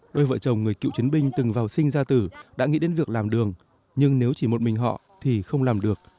đôi vợ chồng người cựu chiến binh từng vào sinh ra tử đã nghĩ đến việc làm đường nhưng nếu chỉ một mình họ thì không làm được